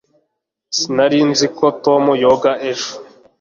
sinari nzi ko tom yoga ejo